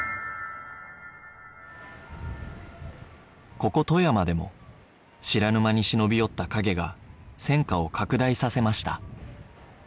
ここ富山でも知らぬ間に忍び寄った影が戦火を拡大させました